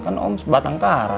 kan om sebatang kara